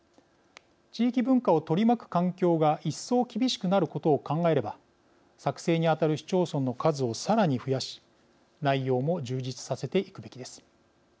地域文化を取り巻く環境が一層厳しくなることを考えれば作成に当たる市町村の数をさらに増やし内容も充実させていくべきです。